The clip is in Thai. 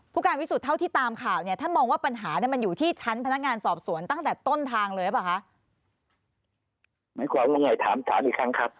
ผู้การวิสุทธิ์เท่าที่ตามข่าวท่านมองว่าปัญหามันอยู่ที่ชั้นพนักงานสอบสวนตั้งแต่ต้นทางเลยหรือเปล่าคะ